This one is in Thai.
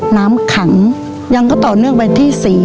น้ำขังยังก็ต่อเนื่องไปที่๔